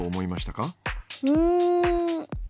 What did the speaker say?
うん。